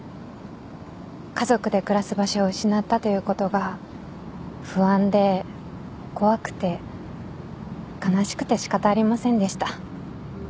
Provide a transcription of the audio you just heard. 家族で暮らす場所を失ったということが不安で怖くて悲しくてしかたありませんでした。